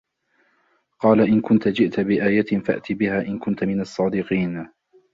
قَالَ إِنْ كُنْتَ جِئْتَ بِآيَةٍ فَأْتِ بِهَا إِنْ كُنْتَ مِنَ الصَّادِقِينَ